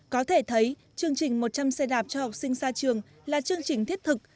có thể thấy chương trình một trăm linh xe đạp cho học sinh ra trường là chương trình thiết thực